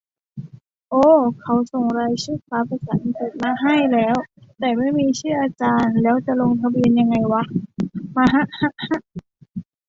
โอ้ เขาส่งรายชื่อคลาสภาษาอังกฤษมาให้แล้ว แต่ไม่มีชื่ออาจารย์ แล้วจะลงทะเบียนยังไงวะมะฮะ ฮะ ฮะ